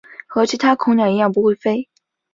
和其他恐鸟一样不会飞。